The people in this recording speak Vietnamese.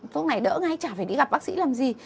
hôm này đỡ ngay chả phải đi gặp bác sĩ làm gì